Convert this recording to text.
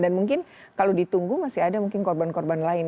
dan mungkin kalau ditunggu masih ada mungkin korban korban lain